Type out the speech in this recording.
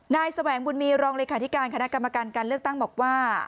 แสวงบุญมีรองเลขาธิการคณะกรรมการการเลือกตั้งบอกว่า